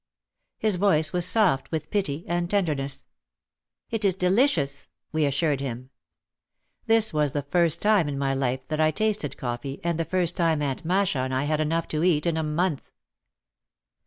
His voice was soft with pity and tenderness. "It is delicious," we assured him. This was the first time in my life that I tasted coffee and the first time Aunt Masha and I had had enough to eat in a month.